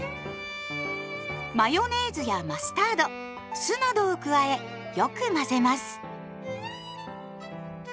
マヨネーズやマスタード酢などを加えよく混ぜます。